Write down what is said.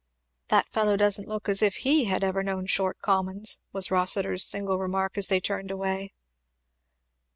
"That fellow don't look as if he had ever known short commons," was Rossitur's single remark as they turned away.